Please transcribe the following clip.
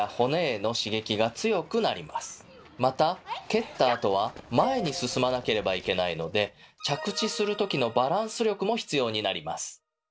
また蹴ったあとは前に進まなければいけないので着地する時のバランス力も必要になります。